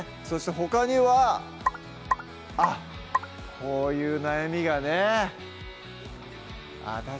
そしてほかにはあっこういう悩みがねあぁ